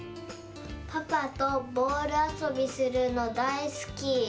パパとボールあそびするのだいすき！